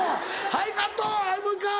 「はいカットもう１回」。